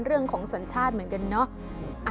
เรื่องของสัญชาติเหมือนกันเนอะ